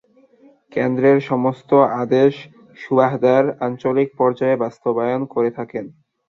কেন্দ্রের সমস্ত আদেশ সুবাহদার আঞ্চলিক পর্যায়ে বাস্তবায়ন করে থাকেন।